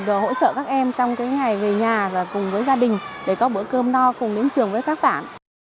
để được hỗ trợ các em trong cái ngày về nhà và cùng với gia đình để có bữa cơm no cùng đến trường với các bạn